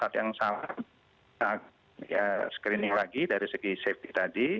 saat yang salah screening lagi dari segi safety tadi